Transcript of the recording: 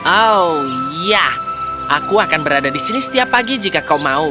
oh iya aku akan berada di sini setiap pagi jika kau mau